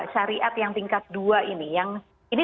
syariat yang tingkat dua ini